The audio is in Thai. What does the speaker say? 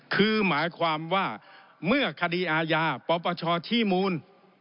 คือหมายความว่าเมื่อคดีอาญาปปชชี้มูล